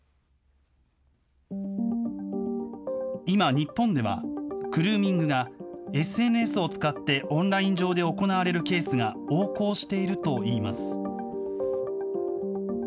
今、日本では、グルーミングがＳＮＳを使ってオンライン上で行われるケースが横行しているといいます。